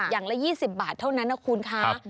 อย่างละ๒๐บาทเท่านั้นนะคุณคะ